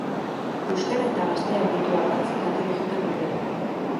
Euskara eta gazteak ditu ardatz kate digital berriak.